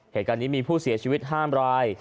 เหตุการณ์นี้มีผู้เสียชีวิต๕ราย